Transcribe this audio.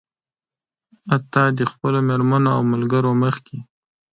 حتيٰ د خپلو مېرمنو او ملګرو مخکې.